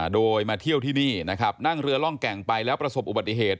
โดยมาเที่ยวที่นี่นะครับนั่งเรือร่องแก่งไปแล้วประสบอุบัติเหตุ